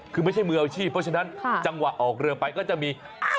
คือไม่ใช่มืออาชีพเพราะฉะนั้นจังหวะออกเรือไปก็จะมี